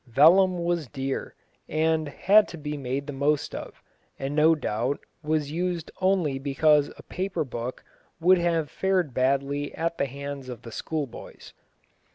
Vellum was dear, and had to be made the most of, and no doubt was used only because a paper book would have fared badly at the hands of the schoolboys.